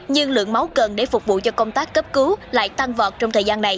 nhưng lượng máu cần để phục vụ cho công tác cấp cứu lại tăng vọt trong thời gian này